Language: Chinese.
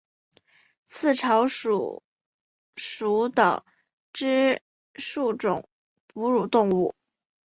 刺巢鼠属等之数种哺乳动物。